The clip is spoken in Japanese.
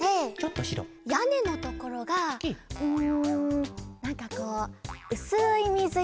やねのところがうんなんかこううすいみずいろみたいな。